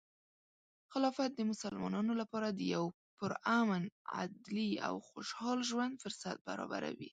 خلافت د مسلمانانو لپاره د یو پرامن، عدلي، او خوشحال ژوند فرصت برابروي.